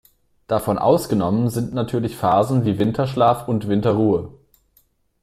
Davon ausgenommen sind natürlich Phasen wie Winterschlaf und Winterruhe.